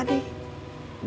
bagaimana akan terjadi